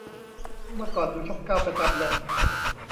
เมื่อก่อนดูช่องเก้าประจำเลย